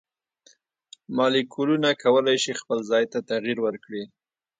مالیکولونه کولی شي خپل ځای ته تغیر ورکړي.